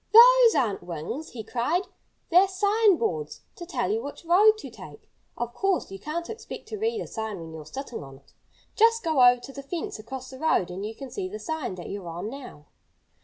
"Those aren't wings!" he cried. "They're sign boards, to tell you which road to take. Of course, you can't expect to read a sign when you're sitting on it. Just go over to the fence across the road and you can see the sign that you're on now."